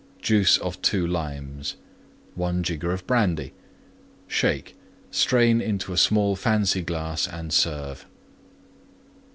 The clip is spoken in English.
Juice of 2 Limes. 1 jigger Brandy. Shake; strain into small fancy glass and serve.